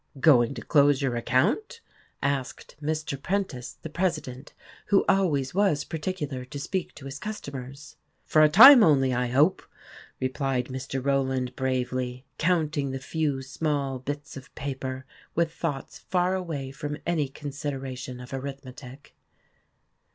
"Going to close your account?" asked Mr. Prentice, the presi dent, who always was particular to speak to his customers. " For a time only, I hope !" replied Mr. Rowland bravely, count ing the few small bits of paper, with thoughts far away from any con sideration of arithmetic.